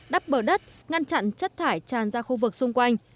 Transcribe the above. đắp bờ đất ngăn chặn chất thải tràn ra khu vực xung quanh